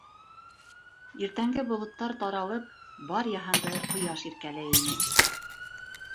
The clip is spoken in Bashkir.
Иртәнге болоттар таралып, бар йыһанды ҡояш иркәләй ине.